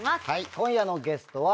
今夜のゲストは。